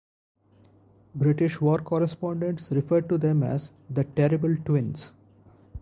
British war correspondents referred to them as "the terrible twins".